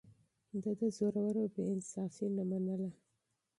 ده د زورورو بې انصافي نه منله.